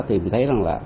thì mình thấy rằng là